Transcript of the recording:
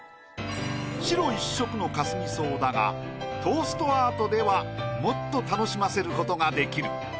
白１色のかすみ草だがトーストアートではもっと楽しませることができる。